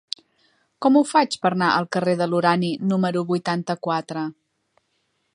Com ho faig per anar al carrer de l'Urani número vuitanta-quatre?